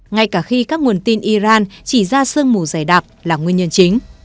ngay cả khi các nguồn tin iran chỉ ra sương mù dày đặc là nguyên nhân chính